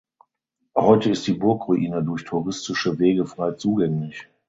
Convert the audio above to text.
Heute ist die Burgruine durch touristische Wege frei zugänglich.